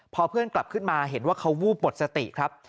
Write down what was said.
พอเพื่อนกลับขึ้นมาเห็นว่าเขาวูบหมดสติครับ